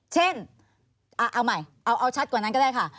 เช่นเอาใหม่เอาชัดกว่านั้นก็ได้ค่ะ